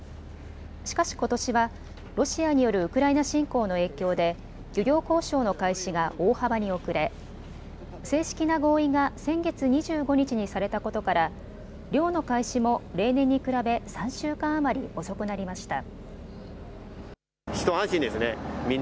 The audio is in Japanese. しかし、ことしはロシアによるウクライナ侵攻の影響で漁業交渉の開始が大幅に遅れ正式な合意が先月２５日にされたことから、漁の開始も例年に比べ３週間余り遅くなりました。